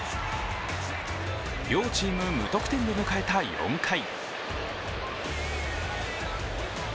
両チーム無得点で迎えた４回。